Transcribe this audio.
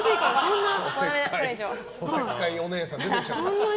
おせっかいお姉さんが出てきちゃった。